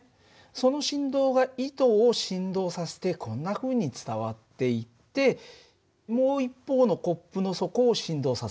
その振動が糸を振動させてこんなふうに伝わっていってもう一方のコップの底を振動させる。